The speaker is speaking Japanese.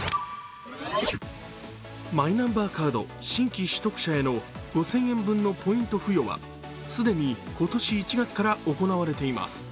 マイナンバーカード新規取得者への５０００円分のポイント付与は既に今年１月から行われています。